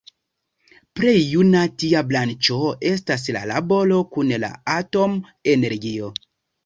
Plej juna tia branĉo estas la laboro kun la atom-energio.